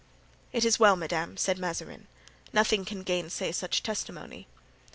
"It is well, madame," said Mazarin; "nothing can gainsay such testimony."